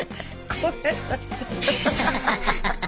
ごめんなさい。